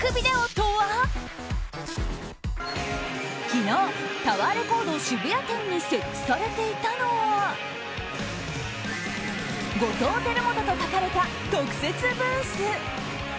昨日、タワーレコード渋谷店に設置されていたのは後藤輝基と書かれた特設ブース。